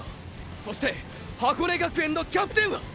そして“箱根学園のキャプテン”は！！